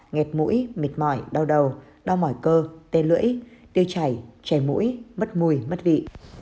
nghẹt mũi mệt mỏi đau đầu đau mỏi cơ tê lưỡi tiêu chảy trẻ mũi mất mùi mất vị